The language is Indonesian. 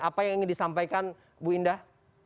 apa yang ingin disampaikan bu indah